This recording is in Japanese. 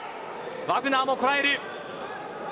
ワグナーもこらえる。